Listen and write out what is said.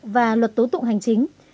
và luật tố tụng hành chính